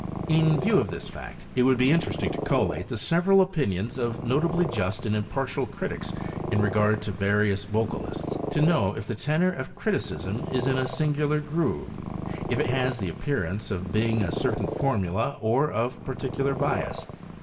In view of this fact, it would be interesting to collate the several opinions of notably just and impartial critics in regard to various vocalists, to know if the tenor of criticism is in a singular groove; if it has the appearance of being of a certain formula or of particular bias.